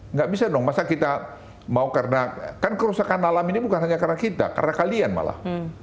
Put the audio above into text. nggak bisa dong masa kita mau karena kan kerusakan alam ini bukan hanya karena kita karena kalian malah